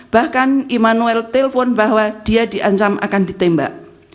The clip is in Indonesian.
bahkan immanuel telpon bahwa dia diancam akan ditembak